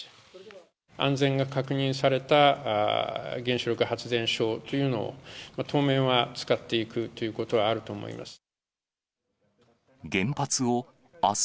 安全が確認された原子力発電所というのを、当面は使っていくということはあると思います。